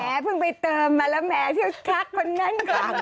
เพิ่งไปเติมมาแล้วแหมเที่ยวทักคนนั้นค่ะ